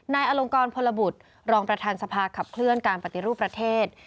อลงกรพลบุตรรองประธานสภาขับเคลื่อนการปฏิรูปประเทศ